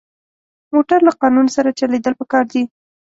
موټر له قانون سره چلېدل پکار دي.